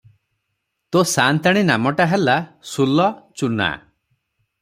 ତୋ’ ସା’ନ୍ତାଣୀ ନାମଟା ହେଲା, ସୁଲ-ଚୁନା!